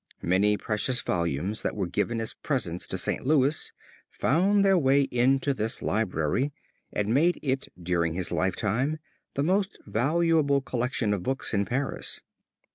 Many precious volumes that were given as presents to St. Louis found their way into this library and made it during his lifetime the most valuable collection of books in Paris.